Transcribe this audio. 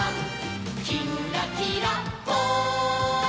「きんらきらぽん」